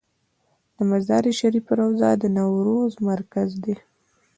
د مزار شریف روضه د نوروز مرکز دی